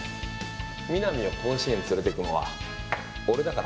南を甲子園に連れてくのは俺だから。